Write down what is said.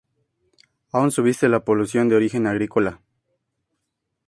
Aún subsiste la polución de origen agrícola.